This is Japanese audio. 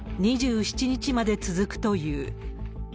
２７日まで続くという。